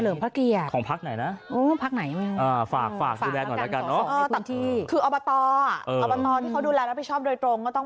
แล้วเราสรุปเพื่อหมุ่งกัน